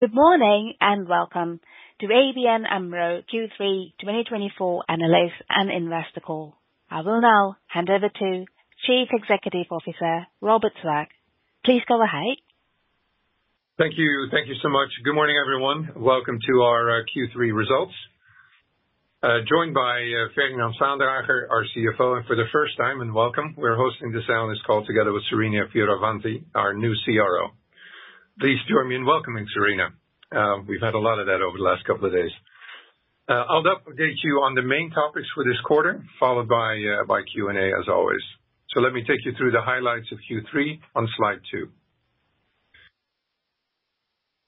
Good morning and welcome to ABN AMRO Q3 2024 Analyst and Investor Call. I will now hand over to Chief Executive Officer Robert Swaak. Please go ahead. Thank you. Thank you so much. Good morning, everyone. Welcome to our Q3 results. Joined by Ferdinand Vaandrager, our CFO, and for the first time, and welcome, we're hosting this analyst call together with Serena Fioravanti, our new CRO. Please join me in welcoming Serena. We've had a lot of that over the last couple of days. I'll update you on the main topics for this quarter, followed by Q&A, as always. So let me take you through the highlights of Q3 on slide 2.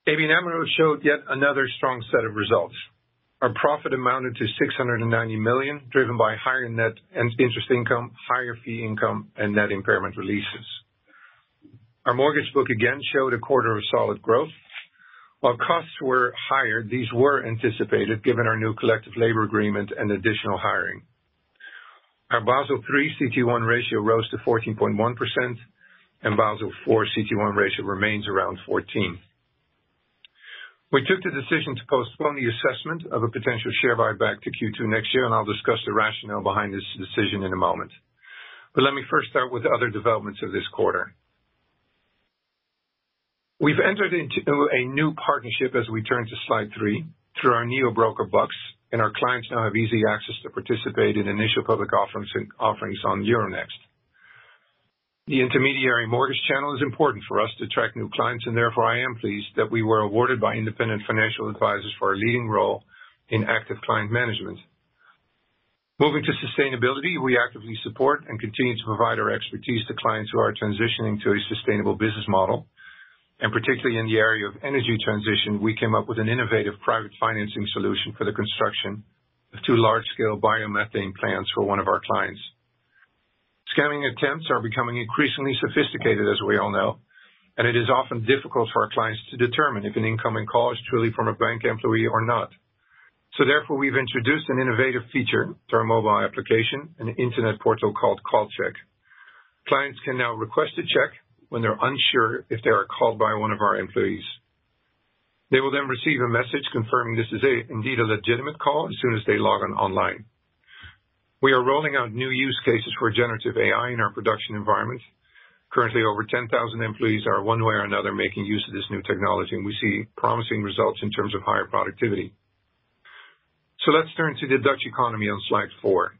ABN AMRO showed yet another strong set of results. Our profit amounted to 690 million, driven by higher net interest income, higher fee income, and net impairment releases. Our mortgage book again showed a quarter of solid growth. While costs were higher, these were anticipated, given our new collective labor agreement and additional hiring. Our Basel III CET1 ratio rose to 14.1%, and Basel IV CET1 ratio remains around 14%. We took the decision to postpone the assessment of a potential share buyback to Q2 next year, and I'll discuss the rationale behind this decision in a moment. But let me first start with other developments of this quarter. We've entered into a new partnership as we turn to slide three through our neobroker BUX, and our clients now have easy access to participate in initial public offerings on Euronext. The intermediary mortgage channel is important for us to attract new clients, and therefore I am pleased that we were awarded by independent financial advisors for our leading role in active client management. Moving to sustainability, we actively support and continue to provide our expertise to clients who are transitioning to a sustainable business model. And particularly in the area of energy transition, we came up with an innovative private financing solution for the construction of two large-scale biomethane plants for one of our clients. Scamming attempts are becoming increasingly sophisticated, as we all know, and it is often difficult for our clients to determine if an incoming call is truly from a bank employee or not. So therefore, we've introduced an innovative feature to our mobile application, an internet portal called CallCheck. Clients can now request a check when they're unsure if they are called by one of our employees. They will then receive a message confirming this is indeed a legitimate call as soon as they log online. We are rolling out new use cases for generative AI in our production environment. Currently, over 10,000 employees are one way or another making use of this new technology, and we see promising results in terms of higher productivity. So let's turn to the Dutch economy on slide four.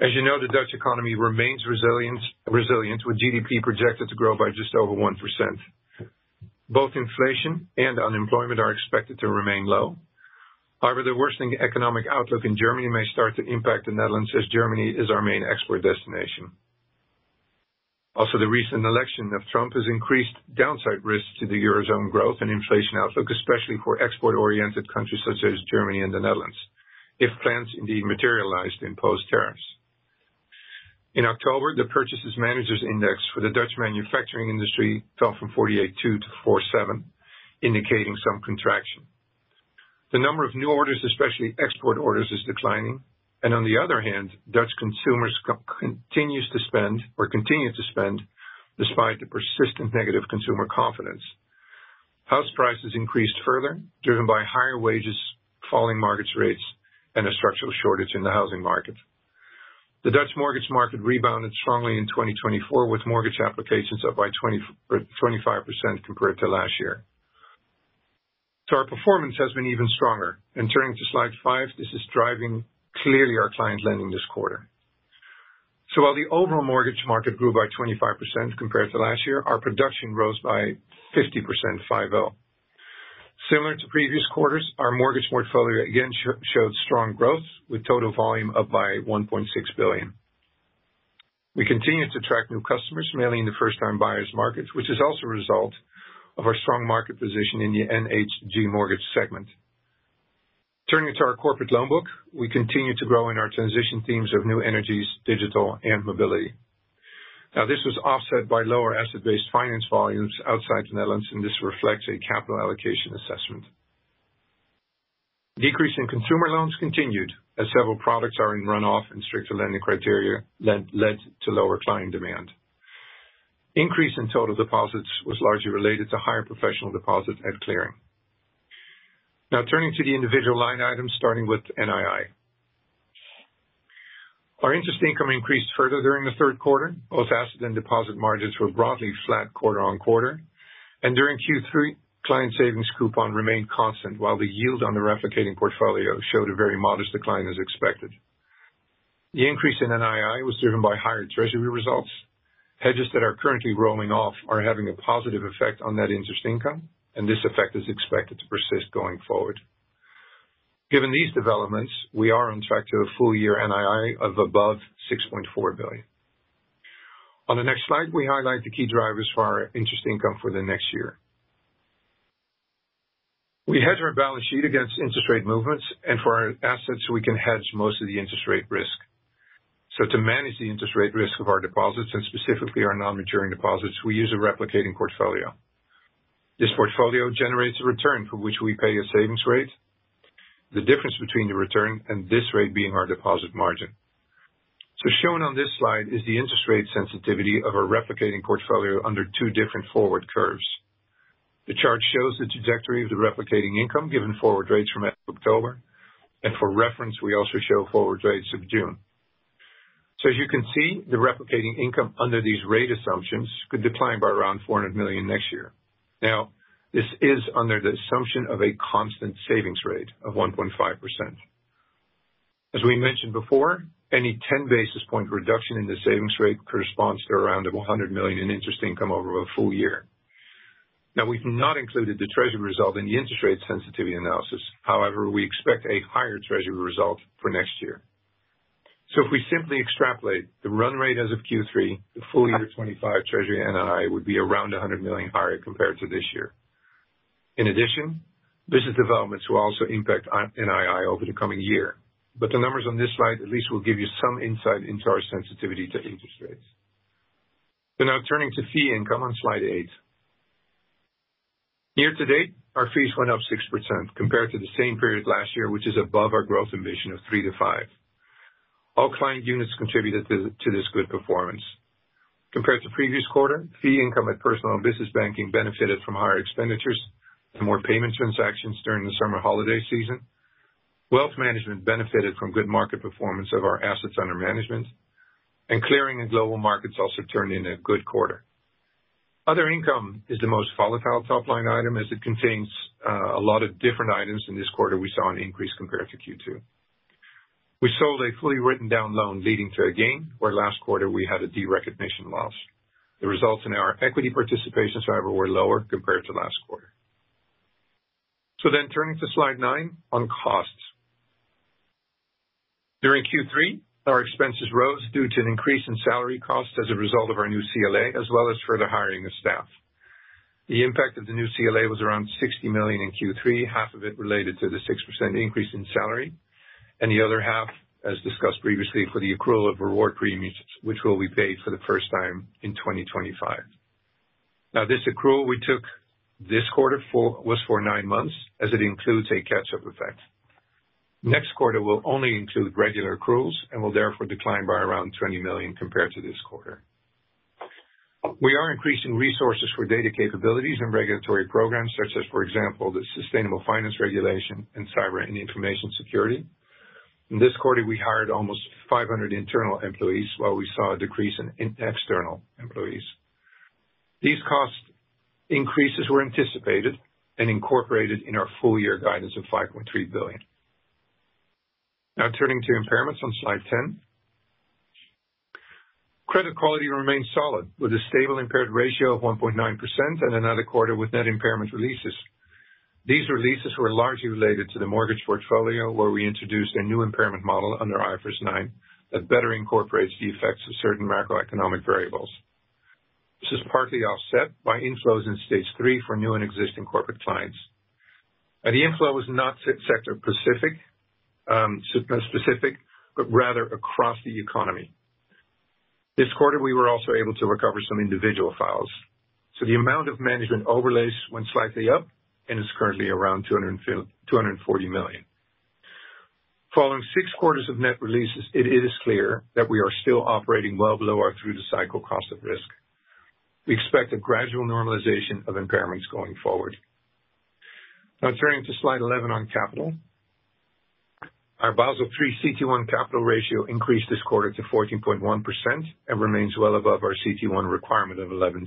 As you know, the Dutch economy remains resilient, with GDP projected to grow by just over 1%. Both inflation and unemployment are expected to remain low. However, the worsening economic outlook in Germany may start to impact the Netherlands, as Germany is our main export destination. Also, the recent election of Trump has increased downside risks to the Eurozone growth and inflation outlook, especially for export-oriented countries such as Germany and the Netherlands, if plans indeed materialized to impose tariffs. In October, the Purchasing Managers' Index for the Dutch manufacturing industry fell from 48.2 to 4.7, indicating some contraction. The number of new orders, especially export orders, is declining. On the other hand, Dutch consumers continue to spend despite the persistent negative consumer confidence. House prices increased further, driven by higher wages, falling mortgage rates, and a structural shortage in the housing market. The Dutch mortgage market rebounded strongly in 2024, with mortgage applications up by 25% compared to last year. Our performance has been even stronger. Turning to slide five, this is driving clearly our client lending this quarter. While the overall mortgage market grew by 25% compared to last year, our production rose by 50%. Similar to previous quarters, our mortgage portfolio again showed strong growth, with total volume up by 1.6 billion. We continue to attract new customers, mainly in the first-time buyers markets, which is also a result of our strong market position in the NHG mortgage segment. Turning to our corporate loan book, we continue to grow in our transition themes of new energies, digital, and mobility. Now, this was offset by lower Asset Based Finance volumes outside the Netherlands, and this reflects a capital allocation assessment. Decrease in consumer loans continued, as several products are in runoff and stricter lending criteria led to lower client demand. Increase in total deposits was largely related to higher professional deposit at Clearing. Now, turning to the individual line items, starting with NII. Our interest income increased further during the Q3. Both asset and deposit margins were broadly flat quarter on quarter. And during Q3, client savings coupon remained constant, while the yield on the replicating portfolio showed a very modest decline as expected. The increase in NII was driven by higher Treasury results. Hedges that are currently rolling off are having a positive effect on net interest income, and this effect is expected to persist going forward. Given these developments, we are on track to a full year NII of above 6.4 billion. On the next slide, we highlight the key drivers for our interest income for the next year. We hedge our balance sheet against interest rate movements, and for our assets, we can hedge most of the interest rate risk. So to manage the interest rate risk of our deposits, and specifically our non-maturing deposits, we use a replicating portfolio. This portfolio generates a return for which we pay a savings rate, the difference between the return and this rate being our deposit margin. So shown on this slide is the interest rate sensitivity of our replicating portfolio under two different forward curves. The chart shows the trajectory of the replicating income given forward rates from October, and for reference, we also show forward rates of June, so as you can see, the replicating income under these rate assumptions could decline by around 400 million next year. Now, this is under the assumption of a constant savings rate of 1.5%. As we mentioned before, any 10 basis point reduction in the savings rate corresponds to around 100 million in interest income over a full year. Now, we've not included the Treasury result in the interest rate sensitivity analysis. However, we expect a higher Treasury result for next year, so if we simply extrapolate the run rate as of Q3, the full year 25 Treasury NII would be around 100 million higher compared to this year. In addition, business developments will also impact NII over the coming year. But the numbers on this slide at least will give you some insight into our sensitivity to interest rates. So now turning to fee income on slide eight. Year to date, our fees went up 6% compared to the same period last year, which is above our growth ambition of 3%-5%. All client units contributed to this good performance. Compared to previous quarter, fee income at Personal & Business Banking benefited from higher expenditures and more payment transactions during the summer holiday season. Wealth Management benefited from good market performance of our assets under management. And Clearing and Global Markets also turned in a good quarter. Other income is the most volatile top line item as it contains a lot of different items. In this quarter, we saw an increase compared to Q2. We sold a fully written down loan leading to a gain, where last quarter we had a derecognition loss. The results in our equity participations, however, were lower compared to last quarter. So then turning to slide nine on costs. During Q3, our expenses rose due to an increase in salary costs as a result of our new CLA, as well as further hiring of staff. The impact of the new CLA was around 60 million in Q3, half of it related to the 6% increase in salary, and the other half, as discussed previously, for the accrual of reward premiums, which will be paid for the first time in 2025. Now, this accrual we took this quarter was for nine months, as it includes a catch-up effect. Next quarter will only include regular accruals and will therefore decline by around 20 million compared to this quarter. We are increasing resources for data capabilities and regulatory programs, such as, for example, the Sustainable Finance Regulation and Cyber and Information Security. In this quarter, we hired almost 500 internal employees, while we saw a decrease in external employees. These cost increases were anticipated and incorporated in our full year guidance of 5.3 billion. Now turning to impairments on slide 10. Credit quality remains solid, with a stable impaired ratio of 1.9% and another quarter with net impairment releases. These releases were largely related to the mortgage portfolio, where we introduced a new impairment model under IFRS 9 that better incorporates the effects of certain macroeconomic variables. This is partly offset by inflows in stage three for new and existing corporate clients. The inflow was not sector-specific, but rather across the economy. This quarter, we were also able to recover some individual files. So the amount of management overlays went slightly up and is currently around 240 million. Following six quarters of net releases, it is clear that we are still operating well below our through-the-cycle cost of risk. We expect a gradual normalization of impairments going forward. Now turning to slide 11 on capital. Our Basel III CET1 capital ratio increased this quarter to 14.1% and remains well above our CET1 requirement of 11.2%.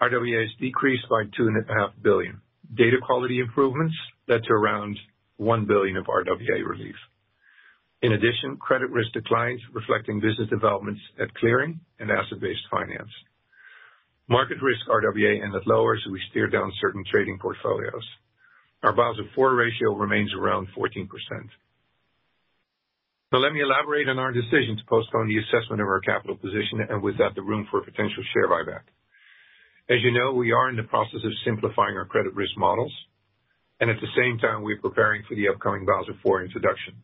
RWAs decreased by 2.5 billion. Data quality improvements led to around 1 billion of RWA relief. In addition, credit risk declined, reflecting business developments at Clearing and Asset Based Finance. Market risk RWA ended lower, so we steered down certain trading portfolios. Our Basel IV ratio remains around 14%. Now let me elaborate on our decision to postpone the assessment of our capital position and with that the room for a potential share buyback. As you know, we are in the process of simplifying our credit risk models, and at the same time, we're preparing for the upcoming Basel IV introduction.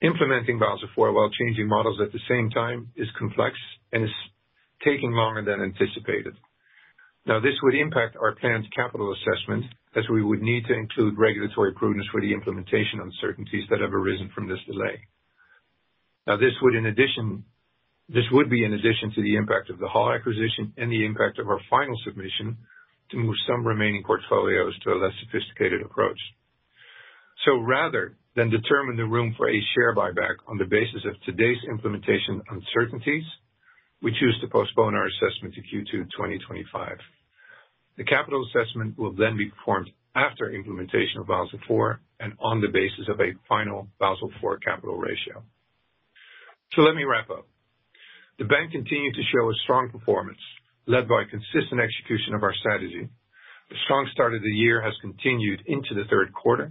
Implementing Basel IV while changing models at the same time is complex and is taking longer than anticipated. Now, this would impact our planned capital assessment, as we would need to include regulatory prudence for the implementation uncertainties that have arisen from this delay. Now, this would be in addition to the impact of the Hauck acquisition and the impact of our final submission to move some remaining portfolios to a less sophisticated approach. So rather than determine the room for a share buyback on the basis of today's implementation uncertainties, we choose to postpone our assessment to Q2 2025. The capital assessment will then be performed after implementation of Basel IV and on the basis of a final Basel IV capital ratio. Let me wrap up. The bank continued to show a strong performance, led by consistent execution of our strategy. A strong start of the year has continued into the Q3.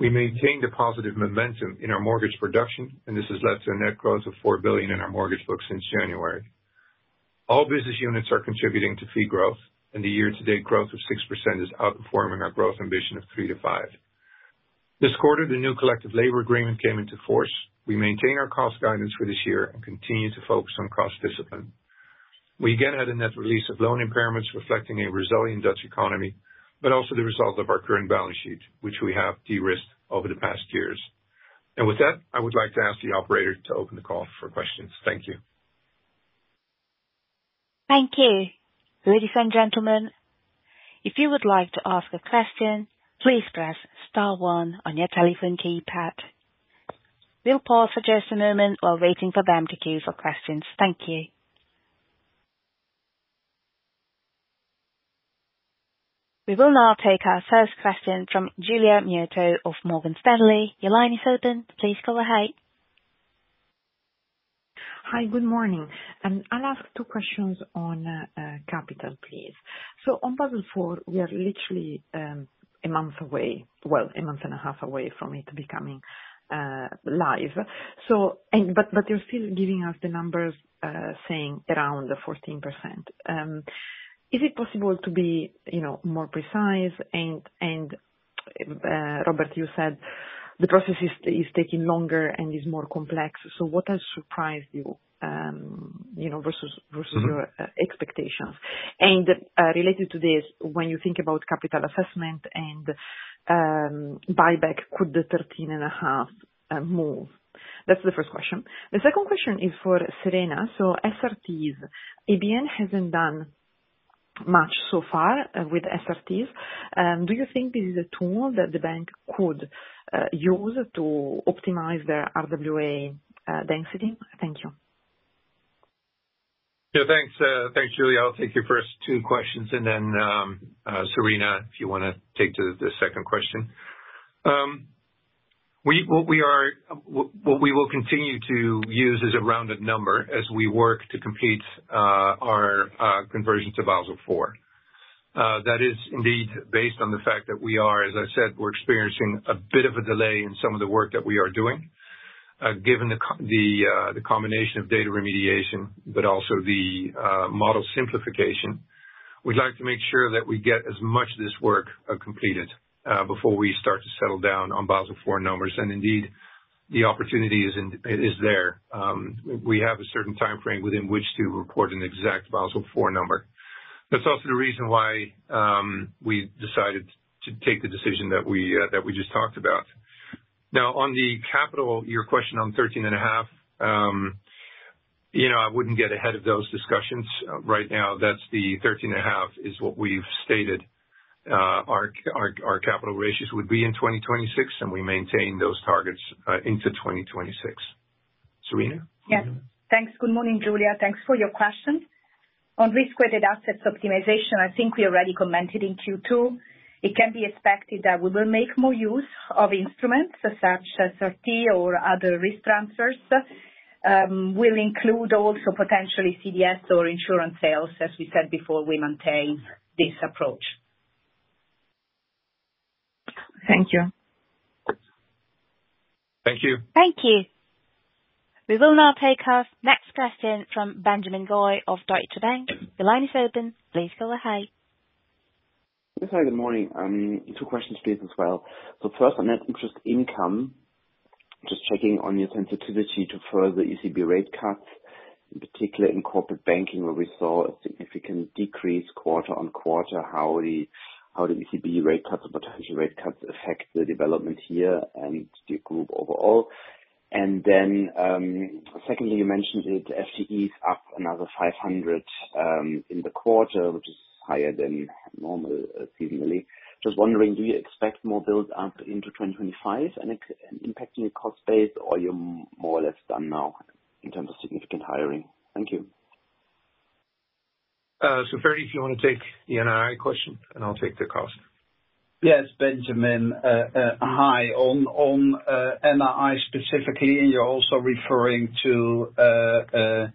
We maintained a positive momentum in our mortgage production, and this has led to a net growth of 4 billion in our mortgage book since January. All business units are contributing to fee growth, and the year-to-date growth of 6% is outperforming our growth ambition of 3%-5%. This quarter, the new collective labor agreement came into force. We maintain our cost guidance for this year and continue to focus on cost discipline. We again had a net release of loan impairments reflecting a resilient Dutch economy, but also the result of our current balance sheet, which we have de-risked over the past years. With that, I would like to ask the operator to open the call for questions. Thank you. Thank you, ladies and gentlemen. If you would like to ask a question, please press star one on your telephone keypad. We'll pause for just a moment while waiting for them to queue for questions. Thank you. We will now take our first question from Giulia Miotto of Morgan Stanley. Your line is open. Please go ahead. Hi, good morning. I'll ask two questions on capital, please, so on Basel IV, we are literally a month away, well, a month and a half away from it becoming live, but you're still giving us the numbers saying around 14%. Is it possible to be more precise, and Robert, you said the process is taking longer and is more complex, so what has surprised you versus your expectations, and related to this, when you think about capital assessment and buyback, could the 13.5 move? That's the first question. The second question is for Serena, so SRTs, ABN hasn't done much so far with SRTs. Do you think this is a tool that the bank could use to optimize their RWA density? Thank you. Yeah, thanks, Giulia. I'll take your first two questions, and then Serena, if you want to take the second question. What we will continue to use is a rounded number as we work to complete our conversion to Basel IV. That is indeed based on the fact that we are, as I said, we're experiencing a bit of a delay in some of the work that we are doing. Given the combination of data remediation, but also the model simplification, we'd like to make sure that we get as much of this work completed before we start to settle down on Basel IV numbers, and indeed, the opportunity is there. We have a certain timeframe within which to report an exact Basel IV number. That's also the reason why we decided to take the decision that we just talked about. Now, on the capital, your question on 13.5%, I wouldn't get ahead of those discussions. Right now, that's the 13.5% is what we've stated our capital ratios would be in 2026, and we maintain those targets into 2026. Serena? Yes. Thanks. Good morning, Giulia. Thanks for your question. On risk-weighted assets optimization, I think we already commented in Q2. It can be expected that we will make more use of instruments such as SRT or other risk transfers. We'll include also potentially CDS or insurance sales, as we said before, we maintain this approach. Thank you. Thank you. Thank you. We will now take our next question from Benjamin Goy of Deutsche Bank. The line is open. Please go ahead. Hi, good morning. Two questions for you as well. So first, on net interest income, just checking on your sensitivity to further ECB rate cuts, particularly in Corporate Banking, where we saw a significant decrease quarter on quarter, how the ECB rate cuts and potential rate cuts affect the development here and the group overall. And then secondly, you mentioned the FTEs up another 500 in the quarter, which is higher than normal seasonally. Just wondering, do you expect more build-up into 2025 and impacting your cost base, or are you more or less done now in terms of significant hiring? Thank you. So Ferdie, if you want to take the NII question, and I'll take the cost. Yes, Benjamin. Hi, on NII specifically, and you're also referring to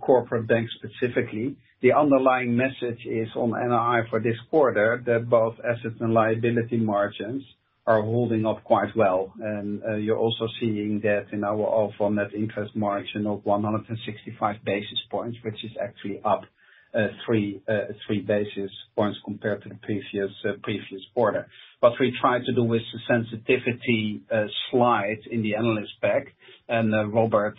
Corporate Banking specifically. The underlying message is on NII for this quarter that both assets and liability margins are holding up quite well. And you're also seeing that in our overall net interest margin of 165 basis points, which is actually up three basis points compared to the previous quarter. What we tried to do with the sensitivity slide in the analyst pack, and Robert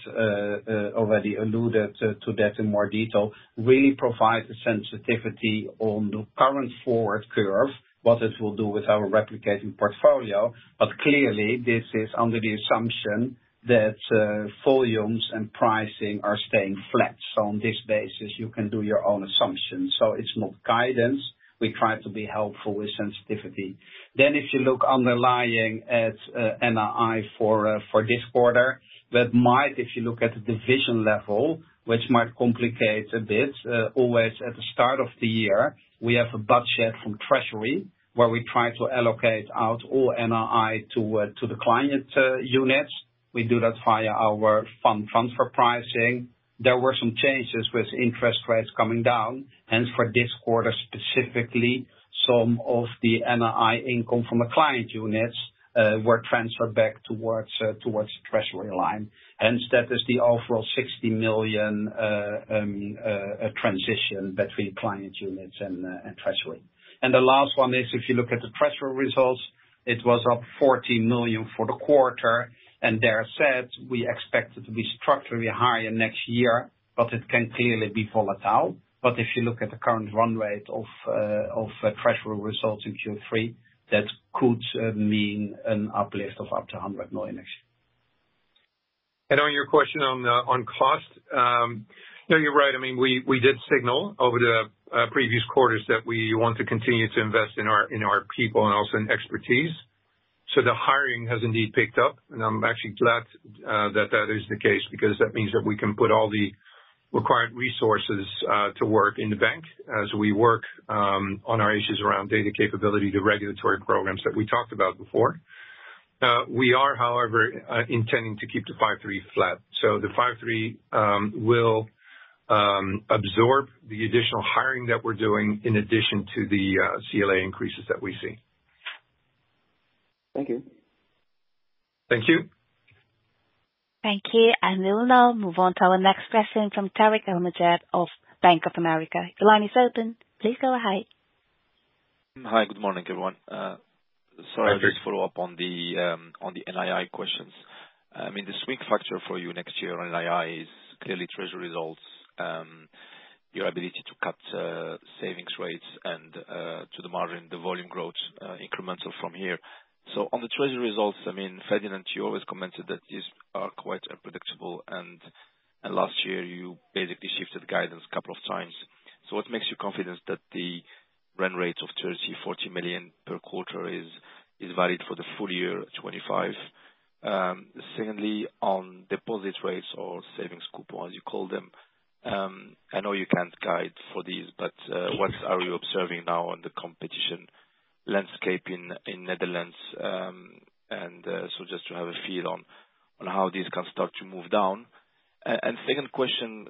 already alluded to that in more detail, really provide the sensitivity on the current forward curve, what it will do with our replicating portfolio. But clearly, this is under the assumption that volumes and pricing are staying flat. So on this basis, you can do your own assumptions. So it's more guidance. We try to be helpful with sensitivity. Then, if you look underlying at NII for this quarter, that might, if you look at the division level, which might complicate a bit. Always at the start of the year, we have a budget from Treasury where we try to allocate out all NII to the client units. We do that via our fund transfer pricing. There were some changes with interest rates coming down. Hence, for this quarter specifically, some of the NII income from the client units were transferred back towards the Treasury line. Hence, that is the overall 60 million transition between client units and Treasury. And the last one is, if you look at the Treasury results, it was up 40 million for the quarter. And there said, we expect it to be structurally higher next year, but it can clearly be volatile. But if you look at the current run rate of Treasury results in Q3, that could mean an uplift of up to 100 million next year. On your question on cost, no, you're right. I mean, we did signal over the previous quarters that we want to continue to invest in our people and also in expertise. So the hiring has indeed picked up, and I'm actually glad that that is the case because that means that we can put all the required resources to work in the bank as we work on our issues around data capability, the regulatory programs that we talked about before. We are, however, intending to keep the 5.3 flat. So the 5.3 will absorb the additional hiring that we're doing in addition to the CLA increases that we see. Thank you. Thank you. Thank you. And we will now move on to our next question from Tarik El Mejjad of Bank of America. The line is open. Please go ahead. Hi, good morning, everyone. Sorry, I'll just follow up on the NII questions. I mean, the swing factor for you next year on NII is clearly Treasury results, your ability to cut savings rates and to the margin, the volume growth incremental from here. So on the Treasury results, I mean, Ferdinand, you always commented that these are quite unpredictable, and last year, you basically shifted guidance a couple of times. So what makes you confident that the run rate of 30 million-40 million per quarter is valid for the full year 2025? Secondly, on deposit rates or savings coupons, you call them, I know you can't guide for these, but what are you observing now on the competition landscape in Netherlands? And so just to have a feel on how these can start to move down, and second question,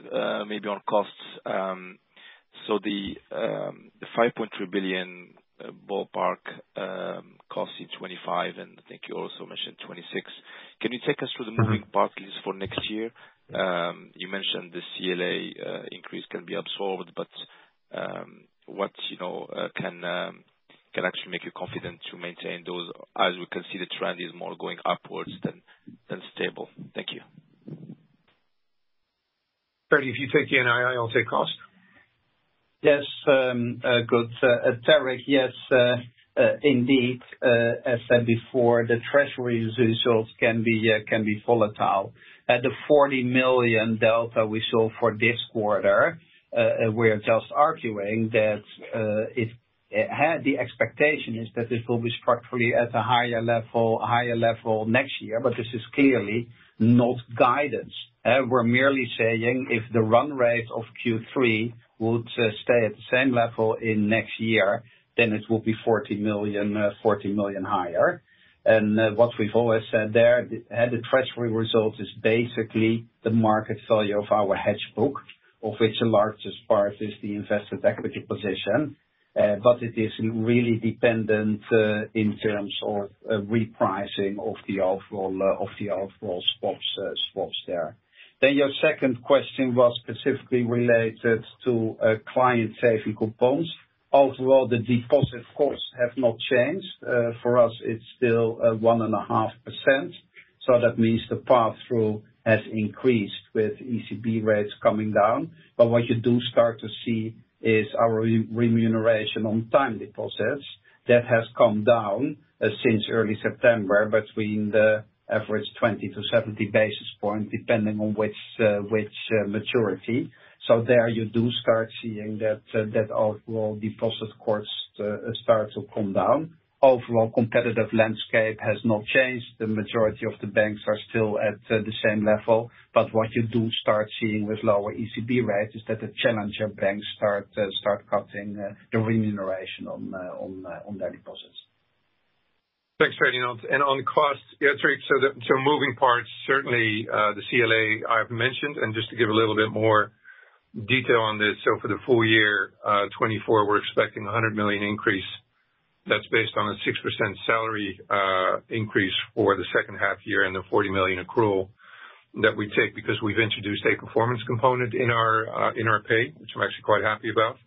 maybe on costs. So the 5.3 billion ballpark costs in 2025, and I think you also mentioned 2026. Can you take us through the moving part at least for next year? You mentioned the CLA increase can be absorbed, but what can actually make you confident to maintain those as we can see the trend is more going upwards than stable? Thank you. Ferdie, if you take the NII, I'll take cost. Yes. Good. Tarik, yes, indeed. As said before, the Treasury results can be volatile. At the 40 million delta we saw for this quarter, we're just arguing that the expectation is that this will be structurally at a higher level next year, but this is clearly not guidance. We're merely saying if the run rate of Q3 would stay at the same level in next year, then it will be 40 million higher, and what we've always said there, the Treasury result is basically the market value of our hedge book, of which the largest part is the invested equity position, but it is really dependent in terms of repricing of the overall swaps there, then your second question was specifically related to client-saving coupons. Overall, the deposit costs have not changed. For us, it's still 1.5%, so that means the path through has increased with ECB rates coming down. But what you do start to see is our remuneration on time deposits. That has come down since early September between the average 20-70 basis points, depending on which maturity. So there you do start seeing that overall deposit costs start to come down. Overall, competitive landscape has not changed. The majority of the banks are still at the same level. But what you do start seeing with lower ECB rates is that the challenger banks start cutting the remuneration on their deposits. Thanks, Ferdinand. And on costs, so moving parts, certainly the CLA I've mentioned. And just to give a little bit more detail on this, so for the full year 2024, we're expecting a 100 million increase. That's based on a 6% salary increase for the second half year and the 40 million accrual that we take because we've introduced a performance component in our pay, which I'm actually quite happy about.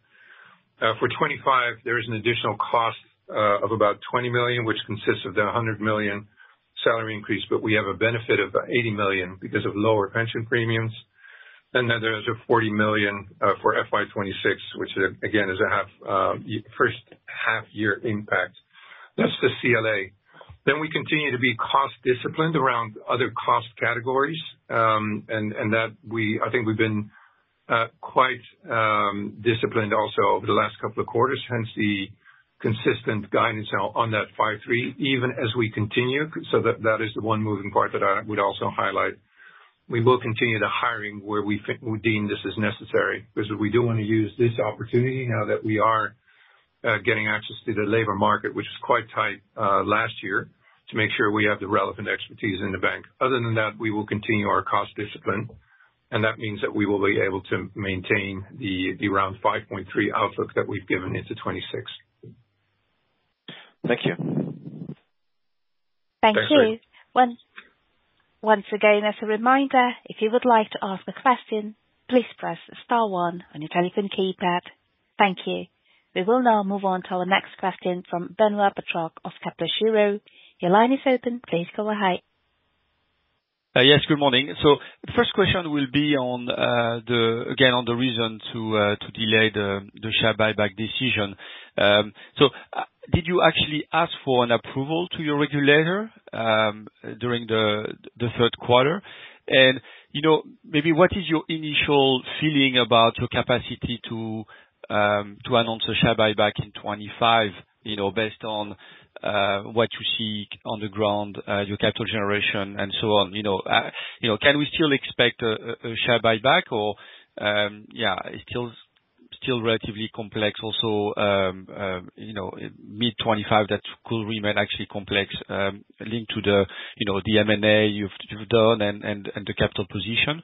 For 2025, there is an additional cost of about 20 million, which consists of the 100 million salary increase, but we have a benefit of 80 million because of lower pension premiums. And then there's a 40 million for FY 2026, which again is a first half-year impact. That's the CLA. Then we continue to be cost-disciplined around other cost categories. And I think we've been quite disciplined also over the last couple of quarters, hence the consistent guidance on that 5.3, even as we continue. So that is the one moving part that I would also highlight. We will continue the hiring where we deem this is necessary because we do want to use this opportunity now that we are getting access to the labor market, which was quite tight last year, to make sure we have the relevant expertise in the bank. Other than that, we will continue our cost discipline. And that means that we will be able to maintain the around 5.3 outlook that we've given into 2026. Thank you. Thank you. Once again, as a reminder, if you would like to ask a question, please press the star one on your telephone keypad. Thank you. We will now move on to our next question from Benoit Pétrarque of Kepler Cheuvreux. Your line is open. Please go ahead. Yes, good morning. So the first question will be again on the reason to delay the share buyback decision. So did you actually ask for an approval to your regulator during the Q3? And maybe what is your initial feeling about your capacity to announce a share buyback in 2025 based on what you see on the ground, your capital generation, and so on? Can we still expect a share buyback? Or yeah, still relatively complex also mid-2025 that could remain actually complex linked to the M&A you've done and the capital position.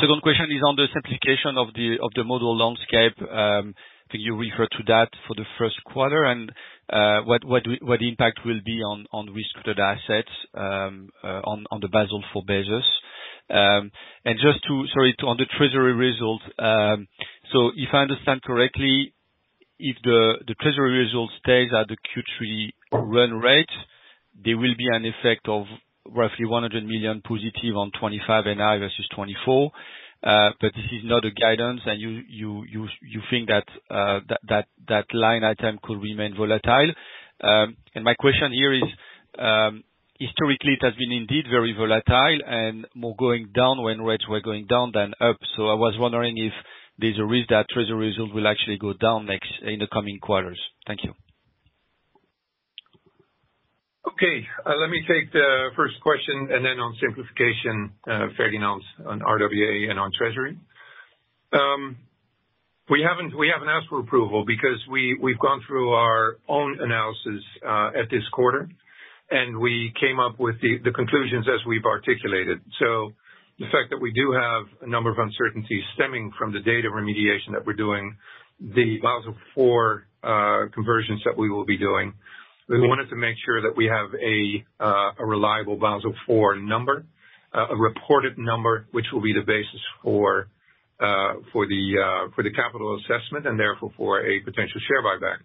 Second question is on the simplification of the model landscape. I think you referred to that for the Q1 and what the impact will be on risk-weighted assets on the Basel IV basis. And just to, sorry, on the Treasury result. If I understand correctly, if the Treasury result stays at the Q3 run rate, there will be an effect of roughly 100 million positive on 2025 NI versus 2024. But this is not a guidance, and you think that line item could remain volatile. My question here is, historically, it has been indeed very volatile and more going down when rates were going down than up. I was wondering if there's a risk that Treasury result will actually go down in the coming quarters. Thank you. Okay. Let me take the first question and then on simplification, Ferdinand, on RWA and on Treasury. We haven't asked for approval because we've gone through our own analysis at this quarter, and we came up with the conclusions as we've articulated. So the fact that we do have a number of uncertainties stemming from the data remediation that we're doing, the Basel IV conversions that we will be doing, we wanted to make sure that we have a reliable Basel IV number, a reported number, which will be the basis for the capital assessment and therefore for a potential share buyback.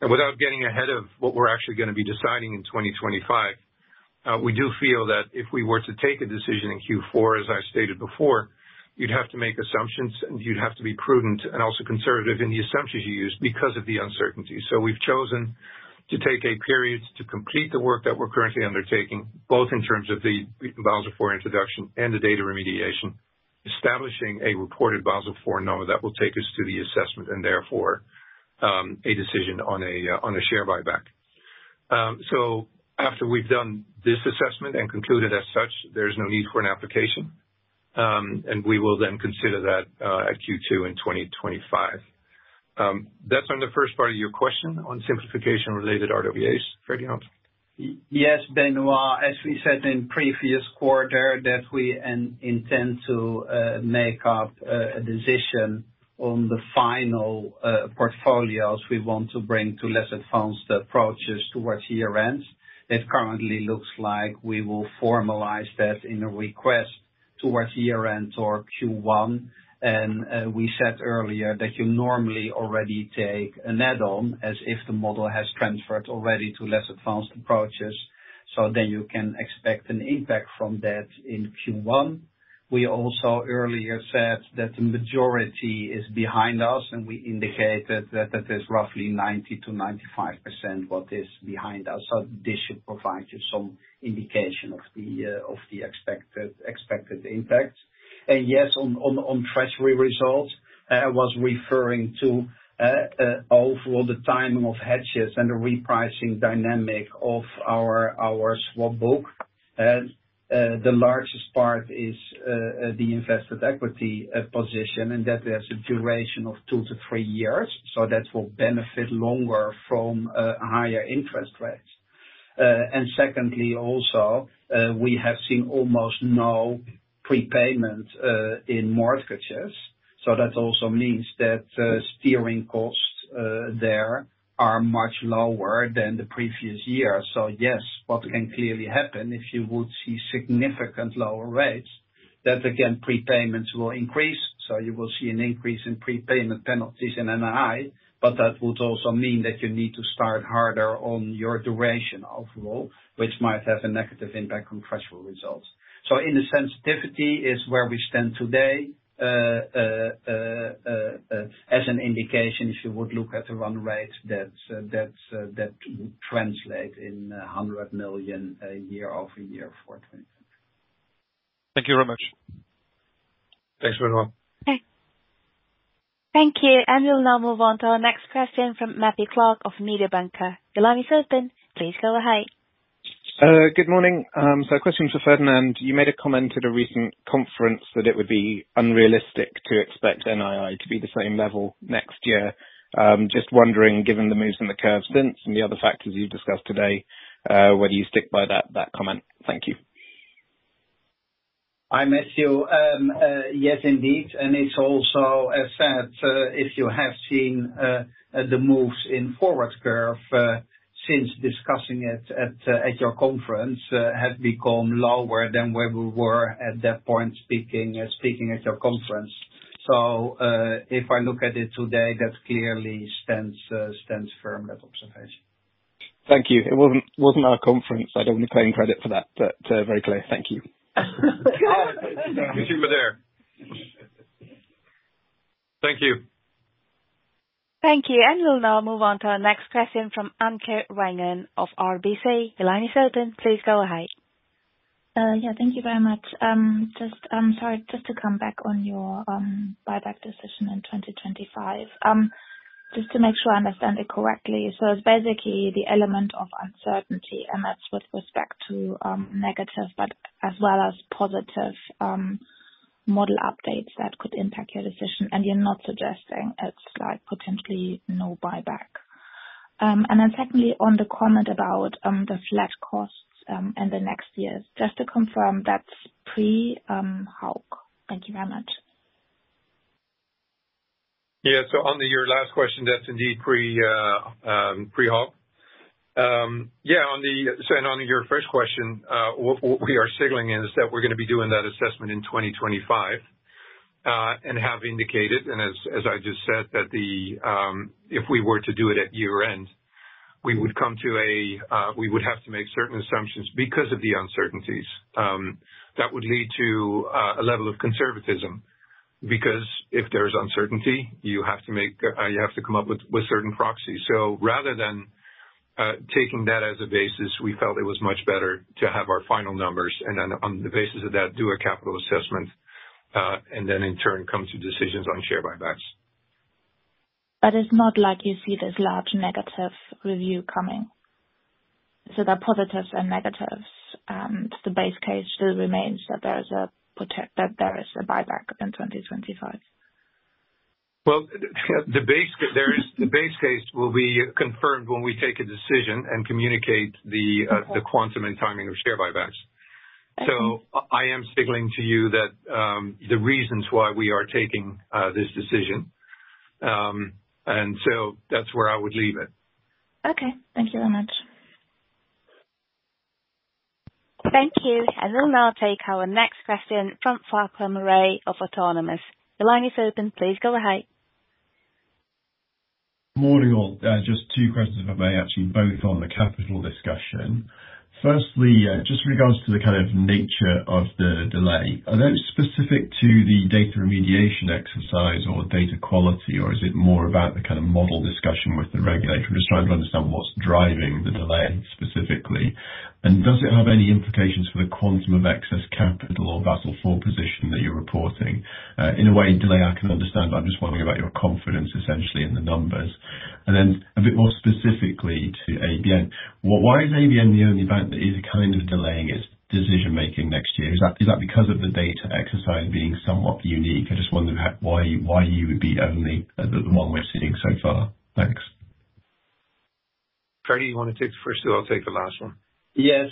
And without getting ahead of what we're actually going to be deciding in 2025, we do feel that if we were to take a decision in Q4, as I stated before, you'd have to make assumptions, and you'd have to be prudent and also conservative in the assumptions you use because of the uncertainty. So we've chosen to take a period to complete the work that we're currently undertaking, both in terms of the Basel IV introduction and the data remediation, establishing a reported Basel IV number that will take us to the assessment and therefore a decision on a share buyback. So after we've done this assessment and concluded as such, there's no need for an application, and we will then consider that at Q2 in 2025. That's on the first part of your question on simplification-related RWAs, Ferdinand. Yes, Benoit, as we said in previous quarter, that we intend to make a decision on the final portfolios we want to bring to less advanced approaches towards year-end. It currently looks like we will formalize that in a request towards year-end or Q1. And we said earlier that you normally already take an add-on as if the model has transferred already to less advanced approaches. So then you can expect an impact from that in Q1. We also earlier said that the majority is behind us, and we indicated that that is roughly 90%-95% what is behind us. So this should provide you some indication of the expected impact. And yes, on Treasury results, I was referring to overall the timing of hedges and the repricing dynamic of our swap book. The largest part is the invested equity position, and that has a duration of two to three years. So that will benefit longer from higher interest rates. And secondly, also, we have seen almost no prepayment in mortgages. So that also means that steering costs there are much lower than the previous year. So yes, what can clearly happen if you would see significant lower rates, that again, prepayments will increase. So you will see an increase in prepayment penalties in NII, but that would also mean that you need to start harder on your duration overall, which might have a negative impact on Treasury results. So in the sensitivity is where we stand today as an indication if you would look at the run rates that translate in EUR 100 million year-over-year for 2025. Thank you very much. Thanks, everyone. Okay. Thank you. And we'll now move on to our next question from Matthew Clark of Mediobanca. The line is open. Please go ahead. Good morning, so a question for Ferdinand. You made a comment at a recent conference that it would be unrealistic to expect NII to be the same level next year. Just wondering, given the moves in the curve since and the other factors you've discussed today, whether you stick by that comment. Thank you. I hear you. Yes, indeed. And it's also, as said, if you have seen the moves in forward curve since discussing it at your conference have become lower than where we were at that point speaking at your conference. So if I look at it today, that clearly stands firm, that observation. Thank you. It wasn't our conference. I don't want to claim credit for that, but very clear. Thank you. Good thing we're there. Thank you. Thank you, and we'll now move on to our next question from Anke Reingen of RBC. The line is open. Please go ahead. Yeah, thank you very much. Just, I'm sorry, just to come back on your buyback decision in 2025. Just to make sure I understand it correctly, so it's basically the element of uncertainty, and that's with respect to negative, but as well as positive model updates that could impact your decision. And you're not suggesting it's like potentially no buyback. And then secondly, on the comment about the flat costs in the next years, just to confirm, that's pre-Hauck? Thank you very much. Yeah. So on your last question, that's indeed pre-Hauck. Yeah. So on your first question, what we are signaling is that we're going to be doing that assessment in 2025 and have indicated, and as I just said, that if we were to do it at year-end, we would have to make certain assumptions because of the uncertainties. That would lead to a level of conservatism because if there's uncertainty, you have to come up with certain proxies. So rather than taking that as a basis, we felt it was much better to have our final numbers and then on the basis of that do a capital assessment and then in turn come to decisions on share buybacks. But it's not like you see this large negative revenue coming. So there are positives and negatives, and the base case still remains that there is a buyback in 2025. The base case will be confirmed when we take a decision and communicate the quantum and timing of share buybacks. I am signaling to you that the reasons why we are taking this decision. That's where I would leave it. Okay. Thank you very much. Thank you. And we'll now take our next question from Farquhar Murray of Autonomous. The line is open. Please go ahead. Good morning, all. Just two questions, if I may, actually, both on the capital discussion. Firstly, just in regards to the kind of nature of the delay, are those specific to the data remediation exercise or data quality, or is it more about the kind of model discussion with the regulator? I'm just trying to understand what's driving the delay specifically. And does it have any implications for the quantum of excess capital or Basel IV position that you're reporting? In a way, delay, I can understand, but I'm just wondering about your confidence, essentially, in the numbers. And then a bit more specifically to ABN, why is ABN the only bank that is kind of delaying its decision-making next year? Is that because of the data exercise being somewhat unique? I just wonder why you would be only the one we're seeing so far. Thanks. Ferdie, you want to take the first? I'll take the last one. Yes.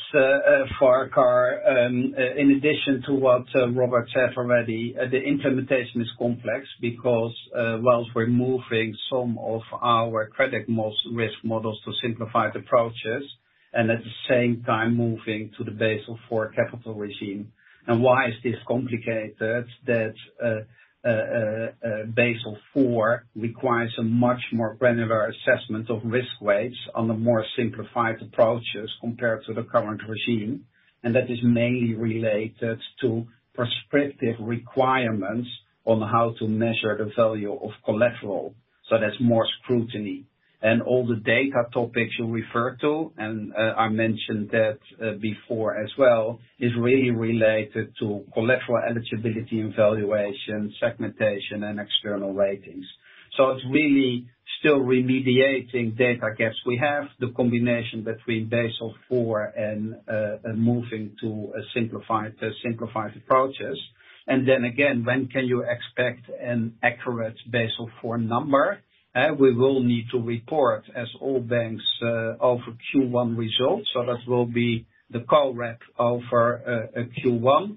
Farquhar, in addition to what Robert said already, the implementation is complex because while we're moving some of our credit risk models to simplified approaches and at the same time moving to the Basel IV capital regime, and why is this complicated? That Basel IV requires a much more granular assessment of risk weights on the more simplified approaches compared to the current regime. And that is mainly related to prescriptive requirements on how to measure the value of collateral. So that's more scrutiny. And all the data topics you refer to, and I mentioned that before as well, is really related to collateral eligibility and valuation, segmentation, and external ratings. So it's really still remediating data gaps we have, the combination between Basel IV and moving to simplified approaches. And then again, when can you expect an accurate Basel IV number? We will need to report as all banks over Q1 results, so that will be the COREP over Q1.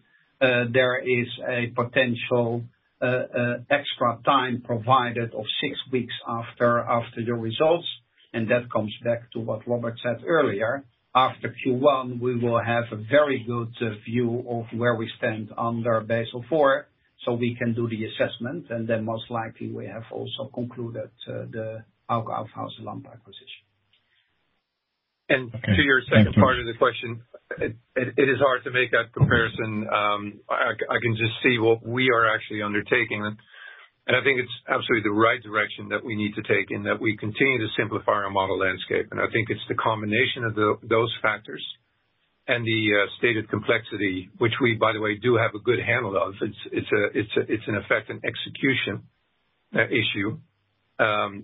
There is a potential extra time provided of six weeks after your results, and that comes back to what Robert said earlier. After Q1, we will have a very good view of where we stand under Basel IV so we can do the assessment, and then most likely, we have also concluded the Hauck Aufhäuser Lampe acquisition. And to your second part of the question, it is hard to make that comparison. I can just see what we are actually undertaking. And I think it's absolutely the right direction that we need to take in that we continue to simplify our model landscape. And I think it's the combination of those factors and the stated complexity, which we, by the way, do have a good handle of. It's in effect an execution issue.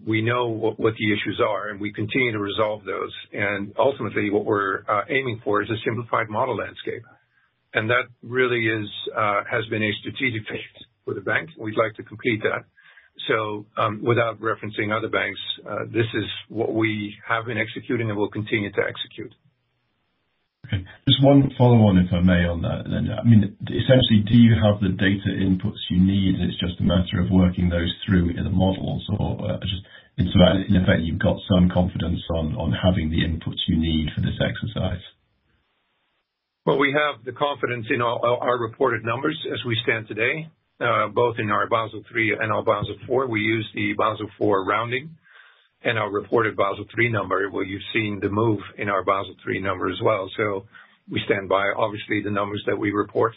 We know what the issues are, and we continue to resolve those. And ultimately, what we're aiming for is a simplified model landscape. And that really has been a strategic fix for the bank. We'd like to complete that. So without referencing other banks, this is what we have been executing and will continue to execute. Okay. Just one follow-on, if I may, on that. I mean, essentially, do you have the data inputs you need? It's just a matter of working those through in the models. So in effect, you've got some confidence on having the inputs you need for this exercise? We have the confidence in our reported numbers as we stand today, both in our Basel III and our Basel IV. We use the Basel IV rounding and our reported Basel III number. You've seen the move in our Basel III number as well. We stand by, obviously, the numbers that we report.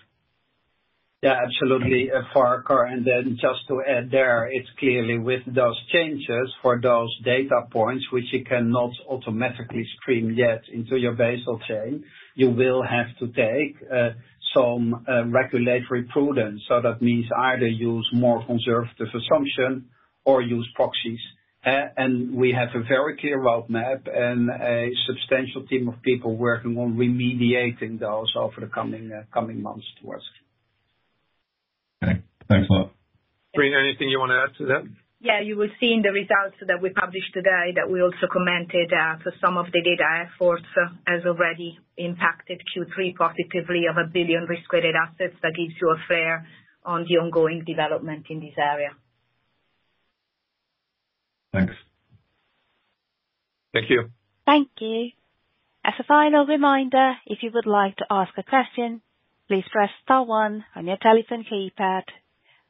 Yeah, absolutely. Farquhar, and then just to add there, it's clearly with those changes for those data points, which you cannot automatically stream yet into your Basel chain, you will have to take some regulatory prudence. So that means either use more conservative assumption or use proxies. And we have a very clear roadmap and a substantial team of people working on remediating those over the coming months towards Q. Okay. Thanks a lot. Serena, anything you want to add to that? Yeah. You will see in the results that we published today that we also commented for some of the data efforts has already impacted Q3 positively of 1 billion risk-weighted assets. That gives you a flavor of the ongoing development in this area. Thanks. Thank you. Thank you. As a final reminder, if you would like to ask a question, please press star 1 on your telephone keypad.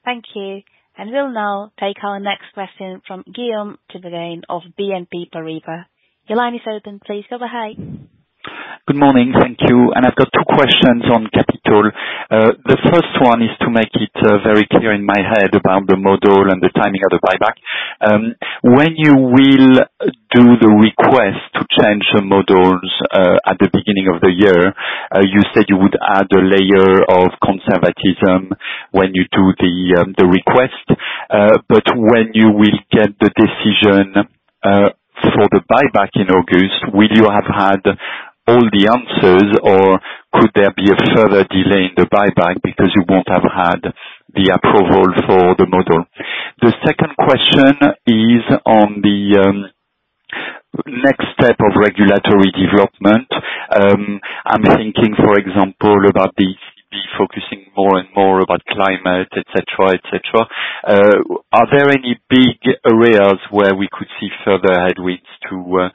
Thank you. And we'll now take our next question from Guillaume Tiberghien of BNP Paribas. The line is open. Please go ahead. Good morning. Thank you. And I've got two questions on capital. The first one is to make it very clear in my head about the model and the timing of the buyback. When you will do the request to change the models at the beginning of the year, you said you would add a layer of conservatism when you do the request. But when you will get the decision for the buyback in August, will you have had all the answers, or could there be a further delay in the buyback because you won't have had the approval for the model? The second question is on the next step of regulatory development. I'm thinking, for example, about the ECB focusing more and more about climate, etc., etc. Are there any big areas where we could see further headwinds to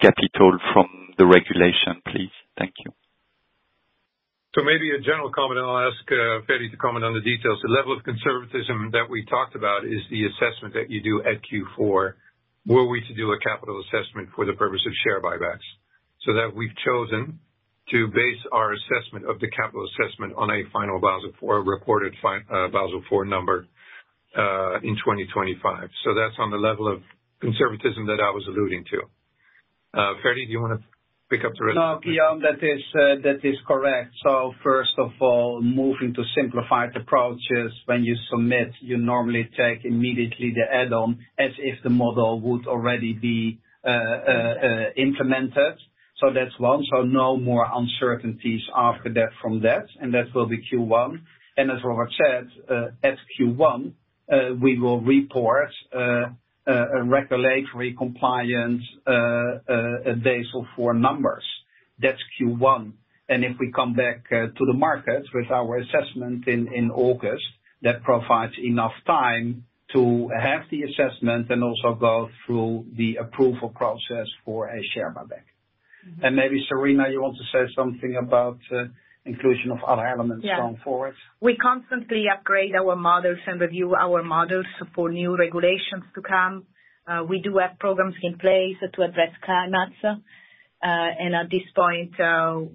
capital from the regulation, please? Thank you. So maybe a general comment, and I'll ask Ferdie to comment on the details. The level of conservatism that we talked about is the assessment that you do at Q4. Were we to do a capital assessment for the purpose of share buybacks? So that we've chosen to base our assessment of the capital assessment on a final Basel IV reported Basel IV number in 2025. So that's on the level of conservatism that I was alluding to. Ferdie, do you want to pick up the rest of that? No, Guillaume, that is correct. So first of all, moving to simplified approaches, when you submit, you normally take immediately the add-on as if the model would already be implemented. So that's one. So no more uncertainties after that from that. And that will be Q1. And as Robert said, at Q1, we will report regulatory compliance Basel IV numbers. That's Q1. And if we come back to the market with our assessment in August, that provides enough time to have the assessment and also go through the approval process for a share buyback. And maybe, Serena, you want to say something about inclusion of other elements going forward? Yeah. We constantly upgrade our models and review our models for new regulations to come. We do have programs in place to address climate. And at this point,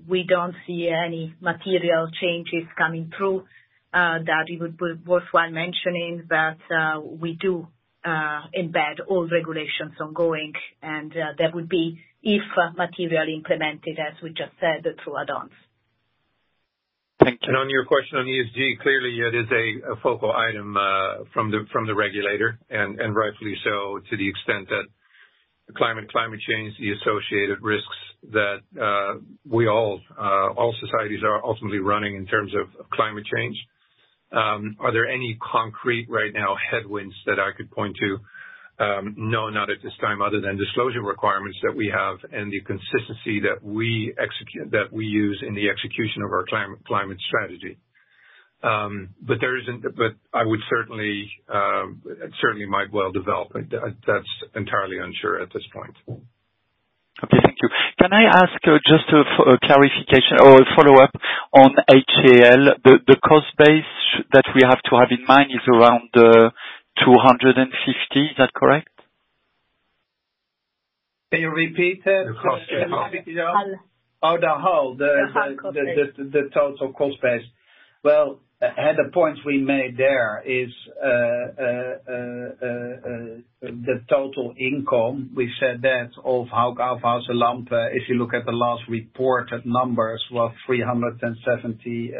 we don't see any material changes coming through that it would be worthwhile mentioning that we do embed all regulations ongoing. And that would be if material implemented, as we just said, through add-ons. Thank you. And on your question on ESG, clearly, it is a focal item from the regulator, and rightfully so to the extent that climate change is the associated risks that all societies are ultimately running in terms of climate change. Are there any concrete right now headwinds that I could point to? No, not at this time, other than disclosure requirements that we have and the consistency that we use in the execution of our climate strategy. But I would certainly might well develop. That's entirely unsure at this point. Okay. Thank you. Can I ask just a clarification or a follow-up on HAL? The cost base that we have to have in mind is around 250. Is that correct? Can you repeat that? The cost base? The Hauck Aufhäuser Lampe. Oh, the Hauck. The Hauck Aufhäuser Lampe. The total cost base. One of the points we made there is the total income. We said that of Hauck Aufhäuser Lampe, if you look at the last reported numbers, was 370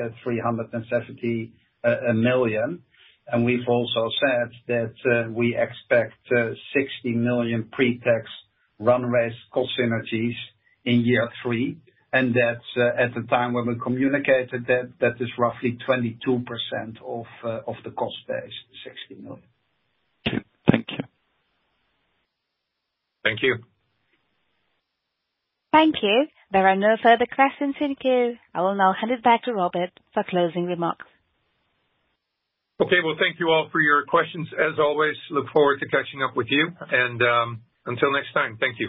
million. And we've also said that we expect 60 million pre-tax run-rate cost synergies in year three. And that's at the time when we communicated that that is roughly 22% of the cost base, 60 million. Thank you. Thank you. Thank you. There are no further questions, thank you. I will now hand it back to Robert for closing remarks. Okay. Well, thank you all for your questions, as always. Look forward to catching up with you. And until next time, thank you.